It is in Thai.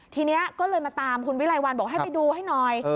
ทีนี้ก็เลยมาตามคุณวิไลวันบอกให้ไปดูให้หน่อย